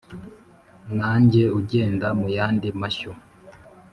nange ugenda mu yandi mashyo